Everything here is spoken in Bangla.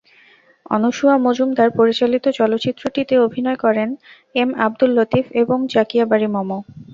অনসূয়া মজুমদার পরিচালিত চলচ্চিত্রটিতে অভিনয় করেন এম. আবদুল লতিফ এবং জাকিয়া বারী মম।